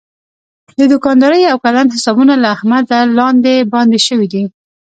د دوکاندارۍ یو کلن حسابونه له احمده لاندې باندې شوي دي.